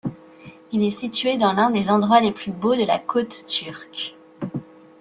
Il est situé dans l'un des endroits les plus beaux de la côte turque.